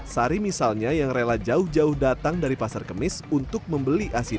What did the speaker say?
sari misalnya yang rela jauh jauh datang dari pasar kemis untuk membeli asin